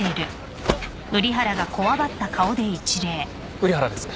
瓜原です。